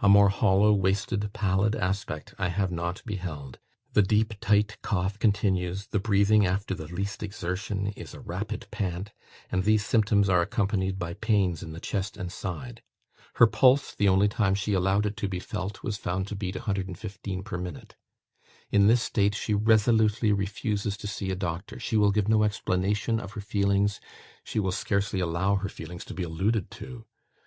A more hollow, wasted, pallid aspect I have not beheld. The deep tight cough continues; the breathing after the least exertion is a rapid pant; and these symptoms are accompanied by pains in the chest and side. Her pulse, the only time she allowed it be to felt, was found to beat 115 per minute. In this state she resolutely refuses to see a doctor; she will give no explanation of her feelings, she will scarcely allow her feelings to be alluded to.